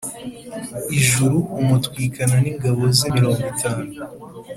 ijuru umutwikana n ingabo ze mirongo itanu